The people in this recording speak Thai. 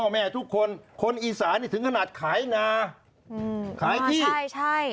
แม่ทุกคนคนอีสานนี่ถึงขนาดขายนาอืมขายที่ใช่ใช่